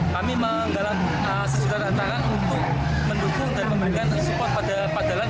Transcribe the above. kami menggalang sesudah tanda tangan untuk mendukung dan memberikan support pada pak dahlan